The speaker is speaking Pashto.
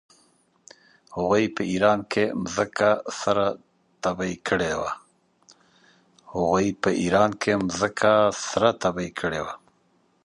هغوی په ایران کې مځکه سره تبې کړې وه.